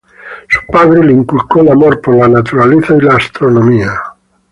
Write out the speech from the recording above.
Su padre le inculcó el amor por la naturaleza y la astronomía.